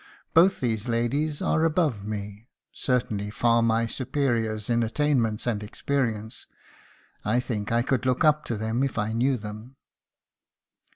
Both these ladies are above me certainly far my superiors in attainments and experience. I think I could look up to them if I knew them."